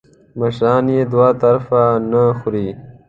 مشران یې دوه طرفه نه خوري .